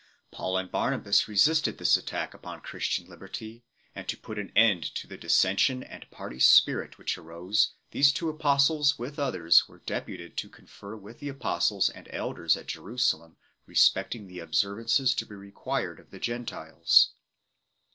Paul and Barnabas resisted this attack upon Christian liberty, and, to put an end to the dissension and party spirit which arose, these two Apostles, with others, were deputed to confer with the Apostles and elders at Jerusalem respecting the observances to be required of the Gentiles.